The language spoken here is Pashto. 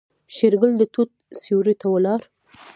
شېرګل د توت سيوري ته ولاړ.